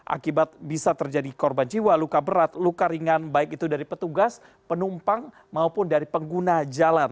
akibat bisa terjadi korban jiwa luka berat luka ringan baik itu dari petugas penumpang maupun dari pengguna jalan